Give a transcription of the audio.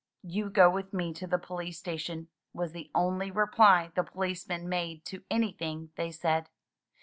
"You go with me to the police station," was the only reply the policeman made to anything they said.